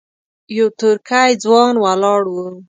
یو ترکی ځوان ولاړ و.